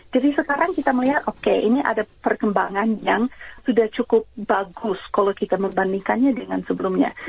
jadi sekarang kita melihat oke ini ada perkembangan yang sudah cukup bagus kalau kita membandingkannya dengan sebelumnya